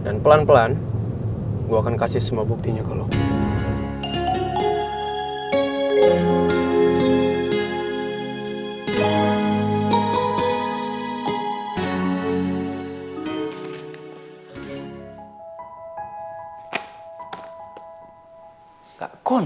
begitu juga dengan semua kecurigaan lo sama gue